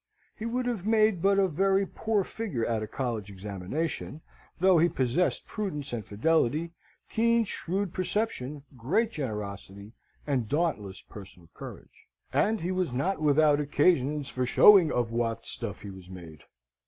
He would have made but a very poor figure at a college examination; though he possessed prudence and fidelity, keen, shrewd perception, great generosity, and dauntless personal courage. And he was not without occasions for showing of what stuff he was made.